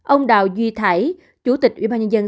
ông đào duy thải chủ tịch ubnd xã tây bình